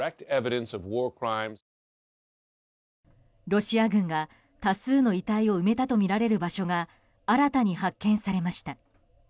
ロシア軍が、多数の遺体を埋めたとみられる場所が新たに発見されました。